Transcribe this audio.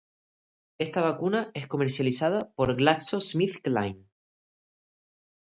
Esta vacuna es comercializada por GlaxoSmithKline.